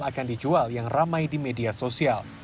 akan dijual yang ramai di media sosial